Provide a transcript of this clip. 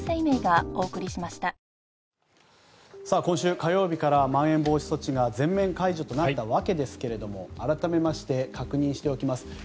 今週火曜日からまん延防止措置が全面解除となったわけですが改めまして確認しておきます。